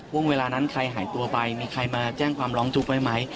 เวลานั้นใครหายตัวไปมีใครมาแจ้งความร้องทุกข์ไว้ไหม